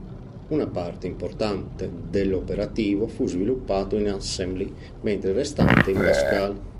Una parte importante del operativo fu sviluppato in Assembly, mentre il restante in Pascal.